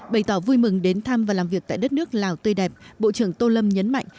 bày tỏ vui mừng đến thăm và làm việc tại đất nước lào tươi đẹp bộ trưởng tô lâm nhấn mạnh